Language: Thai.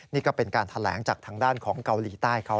นี่ก็เป็นการแถลงจากทางด้านของเกาหลีใต้เขา